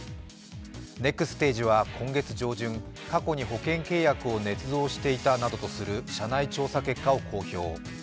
ネクステージは今月上旬、過去に保険契約をねつ造していたなどとする社内調査結果を公表。